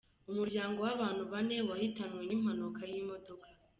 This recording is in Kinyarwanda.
Umuryango w’abantu Bane wahitanwe n’impanuka y’imodoka